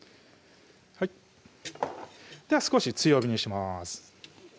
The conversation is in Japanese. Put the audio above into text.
はいでは少し強火にします